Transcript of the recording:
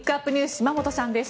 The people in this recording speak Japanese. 島本さんです。